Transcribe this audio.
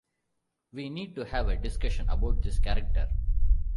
We need to have a discussion about this character.